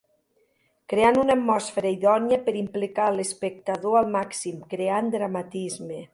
Creant una atmosfera idònia per implicar a l'espectador al màxim, creant dramatisme.